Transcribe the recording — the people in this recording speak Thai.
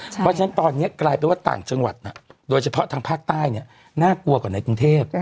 เพราะฉะนั้นตอนนี้กลายเป็นว่าต่างจังหวัดโดยเฉพาะทางภาคใต้เนี่ยน่ากลัวกว่าในกรุงเทพ